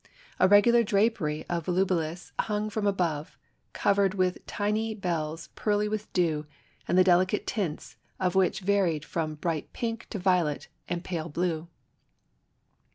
A regular drapery of volubilis hung from above, covered with little bells pearly with dew and the delicate tints of which varied from bright pink to violet and pale blue.